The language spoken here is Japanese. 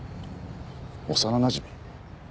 幼なじみ？